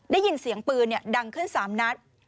ได้ยินเสียงปืนดังขึ้น๓นัด